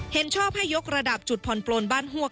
เห็นชอบให้ยกระดับจุดผ่อนปลนบ้านฮวก